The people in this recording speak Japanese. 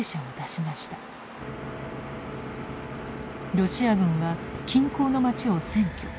ロシア軍は近郊の町を占拠。